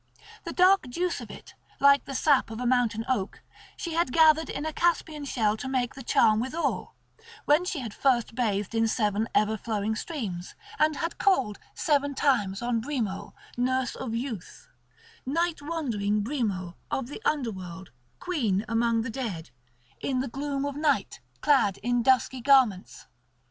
The dark juice of it, like the sap of a mountain oak, she had gathered in a Caspian shell to make the charm withal, when she had first bathed in seven ever flowing streams, and had called seven times on Brimo, nurse of youth, night wandering Brimo, of the underworld, queen among the dead,—in the gloom of night, clad in dusky garments.